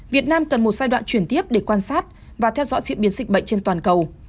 việt nam cần một giai đoạn chuyển tiếp để quan sát và theo dõi diễn biến dịch bệnh trên toàn cầu